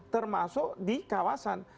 termasuk di kawasan